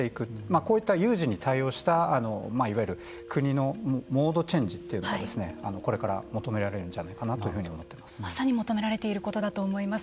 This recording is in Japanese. こういった有事に対応したいわゆる国のモードチェンジというのがこれから求められるんじゃないかまさに求められていることだと思います。